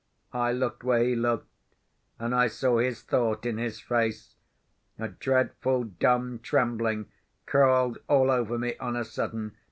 I looked where he looked—and I saw his thought in his face. A dreadful dumb trembling crawled all over me on a sudden.